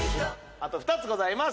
あと２つございます